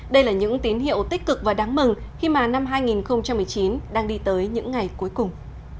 đây là những tín hiệu tích cực và đáng mừng khi mà năm hai nghìn một mươi chín đang đi tới những ngày cuối cùng